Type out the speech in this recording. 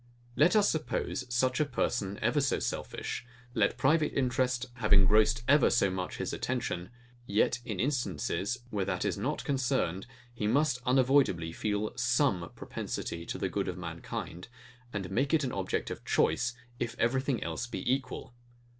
Let us suppose such a person ever so selfish; let private interest have ingrossed ever so much his attention; yet in instances, where that is not concerned, he must unavoidably feel SOME propensity to the good of mankind, and make it an object of choice, if everything else be equal.